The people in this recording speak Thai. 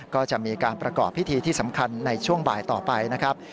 ก็จะมีการประกอบพิธีที่สำคัญในช่วงบ่ายต่อไปนะครับ